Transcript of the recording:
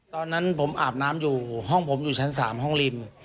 ตอนนั้นผมอาบน้ำอยู่ห้องผมอยู่ชั้น๓ห้องริม